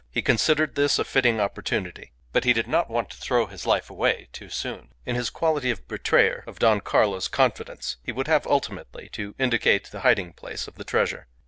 He considered this a fitting opportunity. But he did not want to throw his life away too soon. In his quality of betrayer of Don Carlos' confidence, he would have ultimately to indicate the hiding place of the treasure.